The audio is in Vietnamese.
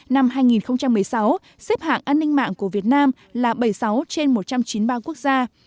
năm hai nghìn một mươi sáu xếp hạng an ninh mạng của việt nam là bảy mươi sáu trên một trăm chín mươi ba quốc gia